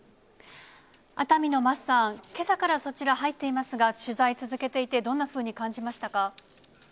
熱海の桝さん、けさからそちら、入っていますが、取材続けていて、どんなふうに感じましたか？